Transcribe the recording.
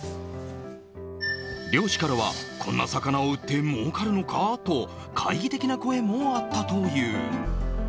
漁師からは、こんな魚を売って、もうかるのかと、懐疑的な声もあったという。